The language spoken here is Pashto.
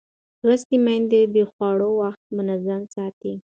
لوستې میندې د خوړو وخت منظم ساتي.